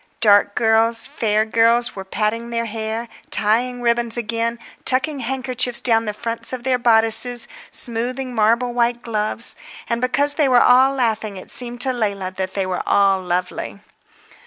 Dark girls, fair girls were patting their hair, tying ribbons again, tucking handkerchiefs down the fronts of their bodices, smoothing marble white gloves. And because they were all laughing it seemed to Leila that they were all lovely.